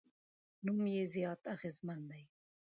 نام یې زیات اغېزمن دی.